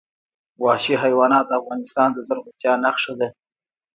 وحشي حیوانات د افغانستان د زرغونتیا نښه ده.